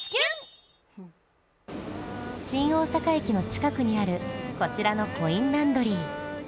新大阪駅の近くにあるこちらのコインランドリー。